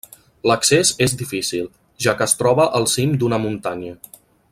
L'accés és difícil, ja que es troba al cim d'una muntanya.